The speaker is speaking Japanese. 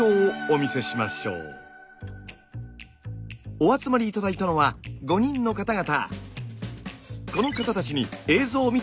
お集まり頂いたのは５人の方々。